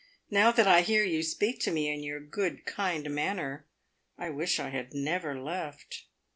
Now that I hear you speak tome in your good, kind manner, I wish I had never left."